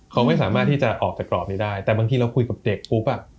เขาไม่สามารถที่จะออกจากกรอบนี้ได้แต่บางทีเราคุยกับเด็กปุ๊บอ่ะ